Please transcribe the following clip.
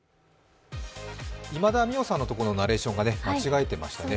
今田美桜さんのところのナレーションが間違えてましたね。